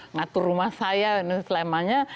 ngatur rumah saya dan selain itu